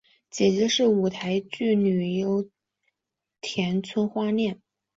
姐姐是舞台剧女优田村花恋。